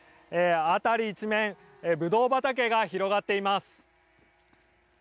辺り一面ブドウ畑が広がっています。